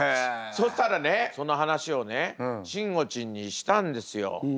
そしたらねその話をねしんごちんにしたんですよ。